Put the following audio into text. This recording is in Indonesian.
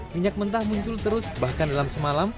minyak mentah muncul terus bahkan dalam semalam